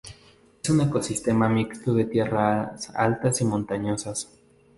Es un ecosistema mixto de tierras altas y montañosas.